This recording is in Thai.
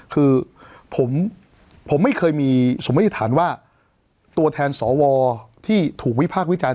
คือผมไม่เคยมีสมมติฐานว่าตัวแทนสวที่ถูกวิพากษ์วิจารณ